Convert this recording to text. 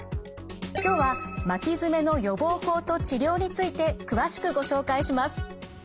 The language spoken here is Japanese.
今日は巻き爪の予防法と治療について詳しくご紹介します。